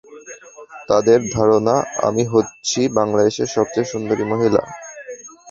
তাদের ধারণা, আমি হচ্ছি বাংলাদেশের সবচেয়ে সুন্দরী মহিলা।